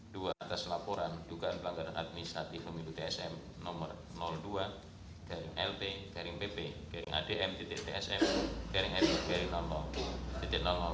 dua atas laporan dugaan pelanggaran administratif pemilu tsm nomor dua lb pp adm